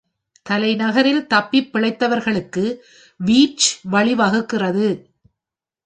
தலைநகரில், தப்பிப் பிழைப்பவர்களுக்கு வீட்ச் வழிவகுக்கிறது.